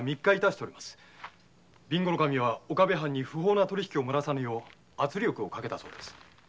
備後守は岡部藩に不法な取り引きをもらさぬよう圧力をかけてます。